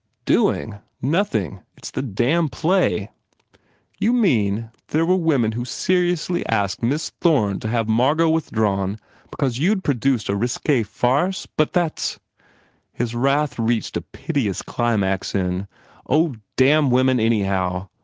"Doing? Nothin ! It s this damned play!" "You mean that there were women who seri ously asked this Miss Thorne to have Margot withdrawn because you d produced a risque farce? But that s" His wrath reached a piteous climax in, "Oh, damn women, anyhow!